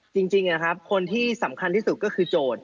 จริงคนที่สำคัญที่สุดก็คือโจทย์